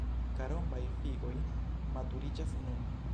Karombaj figoj maturiĝas nun.